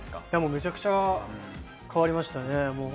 めちゃくちゃ変わりましたね。